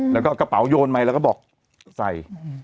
แล้วก็กระเป๋าโยนไปแล้วก็บอกใส่